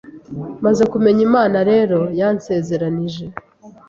maze kumenya Imana rero yansezeranije